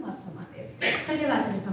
それでは久世様